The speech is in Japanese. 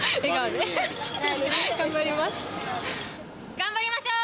頑張りましょう！